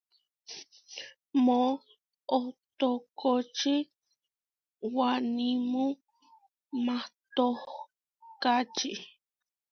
Moʼotókoči wanímu matohkáči.